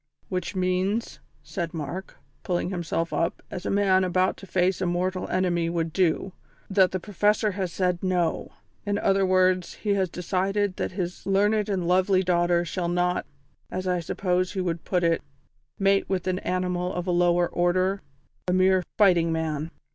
"Which means," said Mark, pulling himself up, as a man about to face a mortal enemy would do, "that the Professor has said 'No.' In other words, he has decided that his learned and lovely daughter shall not, as I suppose he would put it, mate with an animal of a lower order a mere fighting man.